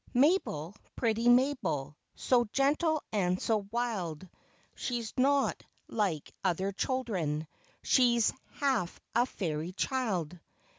Mabel, pretty Mabel, So gentle and so wild ;— She 's not like other children, She 's half a fairy child